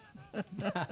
ハハハハ。